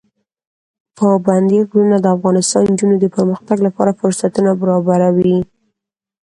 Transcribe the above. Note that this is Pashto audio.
پابندی غرونه د افغان نجونو د پرمختګ لپاره فرصتونه برابروي.